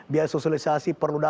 biaya sosialisasi perlu dapat